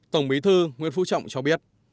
tổng bí thư nguyễn phú trọng cho biết